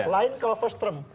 lain kalau first term